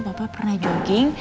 papa pernah jogging